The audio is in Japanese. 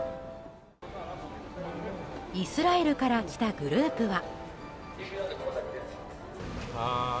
イスラエルから来たグループは。